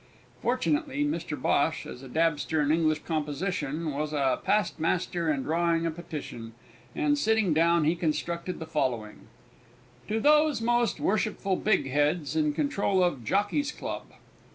Fortunately, Mr Bhosh, as a dabster in English composition, was a pastmaster in drawing a petition, and, sitting down, he constructed the following: TO THOSE MOST WORSHIPFUL BIGHEADS IN CONTROL OF JOCKEYS CLUB.